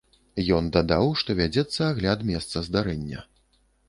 Ён дадаў, што вядзецца агляд месца здарэння.